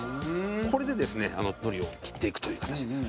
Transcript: これでですね、のりを切っていくという形ですね。